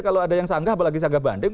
kalau ada yang sanggah apalagi sanggah banding